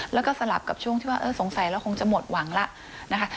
แล้วก็สลับกับช่วงที่ว่าสงสัยเราคงจะหมดหวังแล้วนะคะ